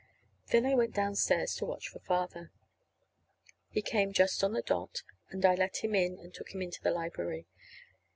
Then I went downstairs to watch for Father. He came just on the dot, and I let him in and took him into the library.